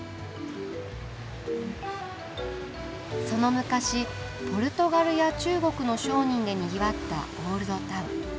その昔ポルトガルや中国の商人でにぎわったオールドタウン。